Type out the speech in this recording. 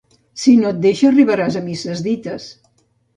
Si no et deixa, arribaràs a misses dites.